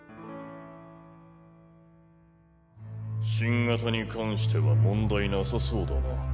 新型に関しては問題なさそうだな。